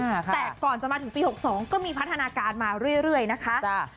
แต่ก่อนจะมาถึงปี๖๒ก็มีพัฒนาการมาเรื่อยนะคะ